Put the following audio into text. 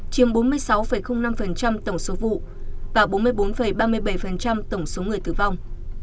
chiếm bốn mươi sáu năm tổng số vụ và bốn mươi bốn ba mươi bảy tổng số người tử vong